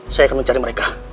saya akan mencari mereka